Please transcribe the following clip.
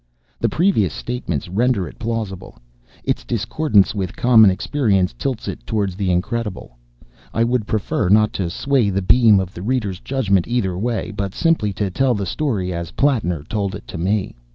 The previous statements render it plausible; its discordance with common experience tilts it towards the incredible. I would prefer not to sway the beam of the reader's judgment either way, but simply to tell the story as Plattner told it me.